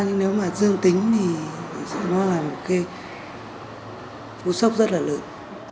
nhưng nếu mà dương tính thì nó là một cái cú sốc rất là lớn